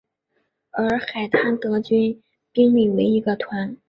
而海滩德军兵力为一个团。